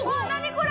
これ！